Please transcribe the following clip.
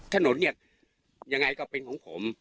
ถนนเนี่ยยังไงก็เป็นของผม